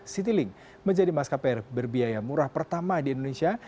citylink menjadi maskapai berbiaya murah pertama di indonesia